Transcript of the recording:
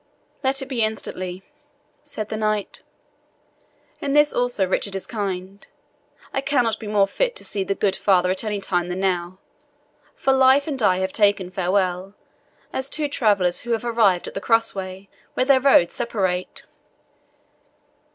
"Let it be instantly," said the knight. "In this also Richard is kind. I cannot be more fit to see the good father at any time than now; for life and I have taken farewell, as two travellers who have arrived at the crossway, where their roads separate."